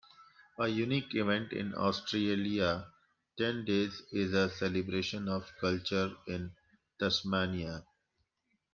A unique event in Australia, Ten Days is a celebration of culture in Tasmania.